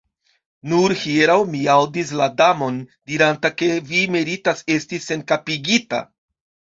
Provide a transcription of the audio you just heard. "Nur hieraŭ mi aŭdis la Damon diranta ke vi meritas esti senkapigita."